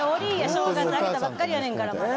正月明けたばっかりやねんからまだ。